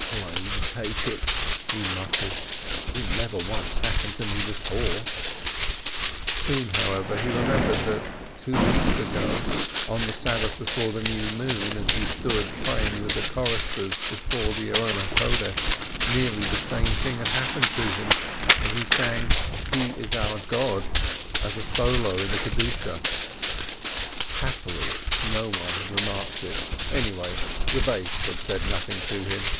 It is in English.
"Plague take it," he muttered, "it never once hap pened to me before." Soon, however, he remembered that two weeks ago, on the Sabbath before the New Moon, as he stood pray ing with the choristers before the altar, nearly the same thing had happened to him when he sang "He is our God" as a solo in the Kedushah, 406 EAISIN Happily no one remarked it — anyway the "bass" had said nothing to him.